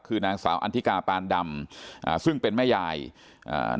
คือนางสาวอันทิกาปานดำอ่าซึ่งเป็นแม่ยายอ่า